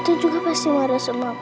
sekarang pasti aura lagi susah